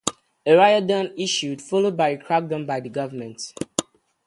A riot then ensued, followed by a crackdown by the Government.